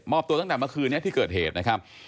ตัวตั้งแต่เมื่อคืนนี้ที่เกิดเหตุนะครับ